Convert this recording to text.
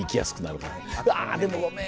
うわでもごめん